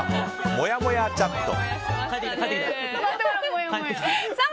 もやもやチャット。